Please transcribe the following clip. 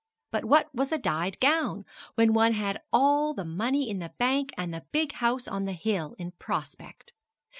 But what was a dyed gown, when one had all that money in the bank and the big house on the hill in prospect!